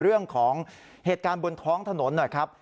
เรื่องของเหตุการณ์บนท้องถนนหน่อยครับ